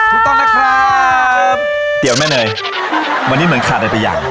ถูกต้องนะครับเดี๋ยวแม่เนยวันนี้เหมือนขาดอะไรไปอย่าง